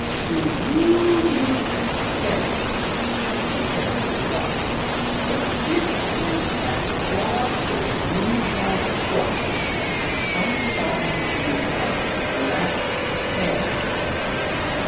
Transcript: "Do you mean to say," she said at last, "that that is as far as you have got? Somebody who had black hair?"